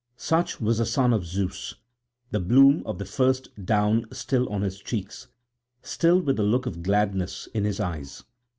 Such was the son of Zeus, the bloom of the first down still on his cheeks, still with the look of gladness in his eyes.